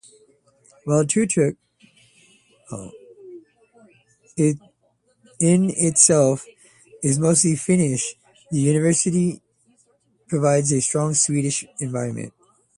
While Turku in itself is mostly Finnish, the university provides a strong Swedish environment.